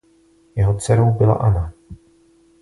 Jeho dcerou byla Anna.